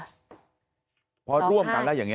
ลูกสาวหลายครั้งแล้วว่าไม่ได้คุยกับแจ๊บเลยลองฟังนะคะ